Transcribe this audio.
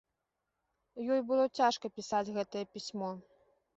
Ёй было цяжка пісаць гэтае пісьмо.